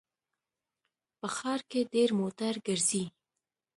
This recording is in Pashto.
په ښار کې ډېر موټر ګرځي